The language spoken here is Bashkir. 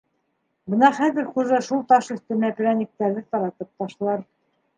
Бына хәҙер хужа шул таш өҫтөнә перәниктәрҙе таратып ташлар.